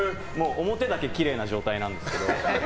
表だけきれいな状態なんですけど。